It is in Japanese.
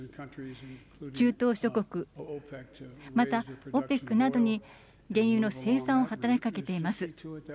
中東諸国、また、ＯＰＥＣなどに原油の生産を働きかけています。